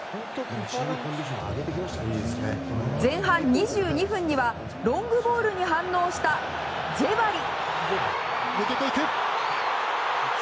前半２２分にはロングボールに反応したジェバリ。